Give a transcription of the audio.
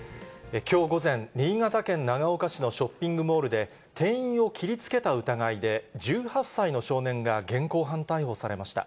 きょう午前、新潟県長岡市のショッピングモールで、店員を切りつけた疑いで、１８歳の少年が現行犯逮捕されました。